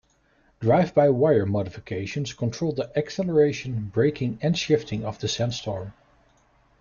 Drive-by-wire modifications controlled the acceleration, braking and shifting of the Sandstorm.